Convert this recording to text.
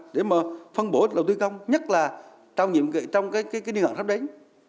để mà phân bổ đầu tư công nhất là trong cái điện hợp sắp đến